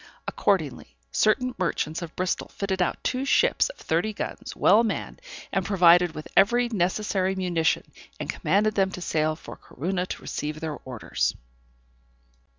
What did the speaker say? Accordingly, certain merchants of Bristol fitted out two ships of thirty guns, well manned, and provided with every necessary munition, and commanded them to sail for Corunna to receive their orders.